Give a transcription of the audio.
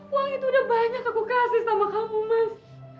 uang itu udah banyak aku kasih sama kamu mas